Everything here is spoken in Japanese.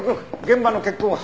現場の血痕は？